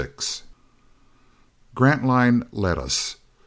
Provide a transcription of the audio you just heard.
XXXVI Grantline led us.